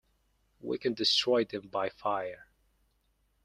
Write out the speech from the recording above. We can destroy them by fire.